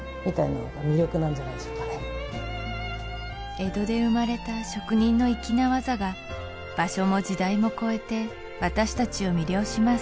江戸で生まれた職人の粋な技が場所も時代も超えて私たちを魅了します